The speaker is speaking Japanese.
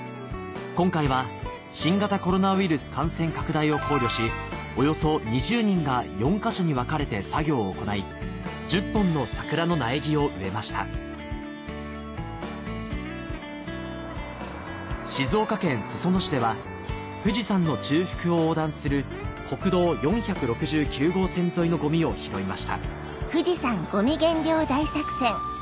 今回は新型コロナウイルス感染拡大を考慮しおよそ２０人が４か所に分かれて作業を行い１０本の桜の苗木を植えました静岡県裾野市では富士山の中腹を横断する国道４６９号線沿いのゴミを拾いました